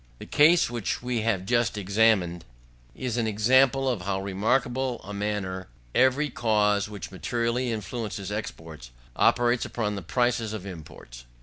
7. The case which we have just examined, is an example in how remarkable a manner every cause which materially influences exports, operates upon the prices of imports.